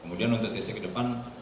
kemudian untuk tc ke depan